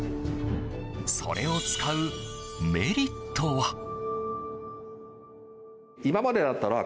それを使うメリットは。